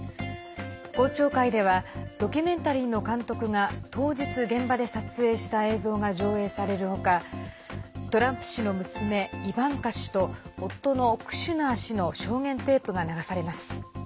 公聴会ではドキュメンタリーの監督が当日、現場で撮影した映像が上映されるほかトランプ氏の娘、イバンカ氏と夫のクシュナー氏の証言テープが流されます。